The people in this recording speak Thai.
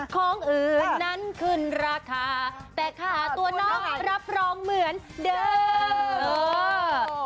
ของอื่นนั้นขึ้นราคาแต่ค่าตัวน้องรับรองเหมือนเดิม